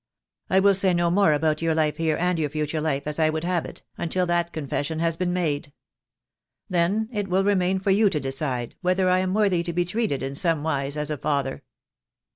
I will say no more about your life here, and your future life, as I would have it, until that confession has been made. Then it will remain for you to decide whether I am worthy to be treated in some wise as a father."